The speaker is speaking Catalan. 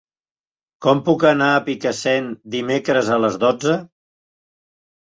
Com puc anar a Picassent dimecres a les dotze?